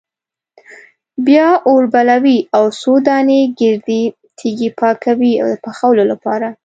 بیا اور بلوي او څو دانې ګردې تیږې پاکوي د پخولو لپاره.